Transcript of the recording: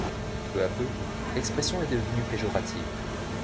Peu à peu, l'expression est devenue péjorative.